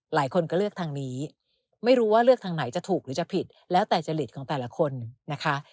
หลายคนก็เลือกทางนี้ไม่รู้ว่าเลือกทางไหนจะถูกหรือจะผิดแล้วแต่จริตของแต่ละคนนะคะ